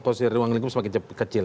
posisi ruang lingkup semakin kecil